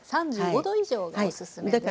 ３５度以上がおすすめです。